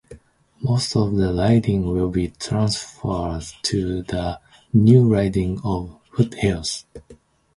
Most of the riding will be transferred to the new riding of Foothills.